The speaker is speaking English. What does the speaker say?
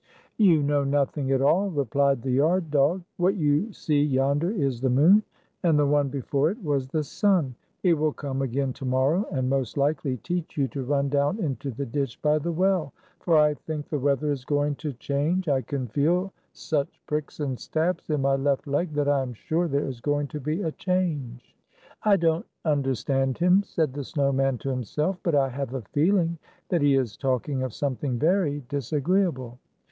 "You know nothing at all," replied the yard dog. "What you see yonder is the moon, and the one before it was the sun. It will come again to morrow, and most likely teach you to run down into the ditch by the well ; for I think the weather is going to change. I can feel such pricks and stabs in my left leg, that I am sure there is going to be a change." "I don't understand him," said the snow man to himself; "but I have a feeling that he is talk ing of something very disagreeable.